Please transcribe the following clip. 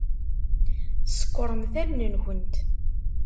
Ṣekkṛemt allen-nkent.